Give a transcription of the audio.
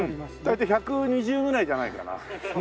大体１２０ぐらいじゃないかな？